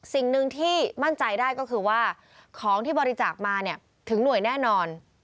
สิ่งหนึ่งที่มั่นใจได้ก็คือว่าของที่บริจาคมาถึงหน่วยแน่นอน